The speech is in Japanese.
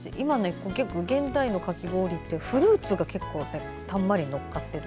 現代のかき氷って結構フルーツがたんまり載っていて。